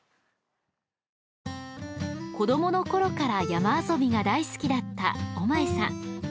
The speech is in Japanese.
子どものころから山遊びが大好きだった尾前さん。